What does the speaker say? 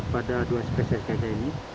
terdapat pada dua spesies gajah ini